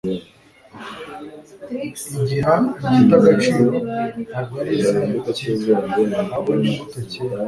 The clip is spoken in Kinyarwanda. Igiha igiti agaciro, ntabwo ari izina cyitwa, ahubwo ni imbuto cyera.